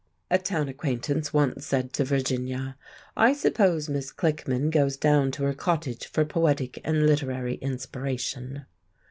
A town acquaintance once said to Virginia: "I suppose Miss Klickmann goes down to her cottage for poetic and literary inspiration?"